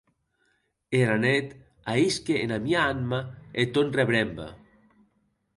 Era net ahisque ena mia anma eth tòn rebrembe!